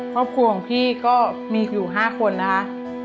ครอบครัวของพี่ก็มีอยู่๕คนนะคะ